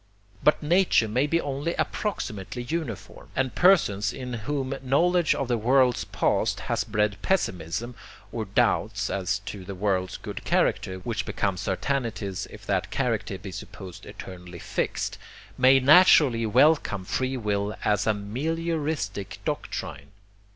But nature may be only approximately uniform; and persons in whom knowledge of the world's past has bred pessimism (or doubts as to the world's good character, which become certainties if that character be supposed eternally fixed) may naturally welcome free will as a MELIORISTIC doctrine.